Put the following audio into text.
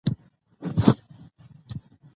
تاسې سره د وار اړوند نور توضیحات او بېلګې شته!